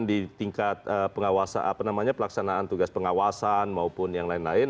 di tingkat pengawasan apa namanya pelaksanaan tugas pengawasan maupun yang lain lain